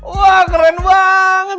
wah keren banget